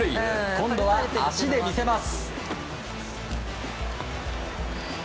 今度は足で見せます。